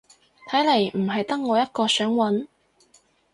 睇嚟唔係得我一個想搵